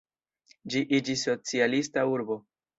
Ĝi iĝis socialista urbo.